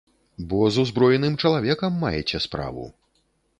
Бо з узброеным чалавекам маеце справу.